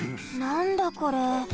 なんだこれ？